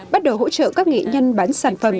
bắt đầu hỗ trợ các nghệ nhân bán sản phẩm